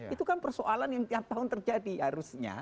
itu kan persoalan yang tiap tahun terjadi harusnya